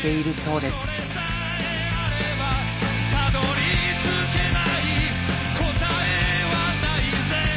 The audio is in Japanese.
「たどり着けない答えはないぜ」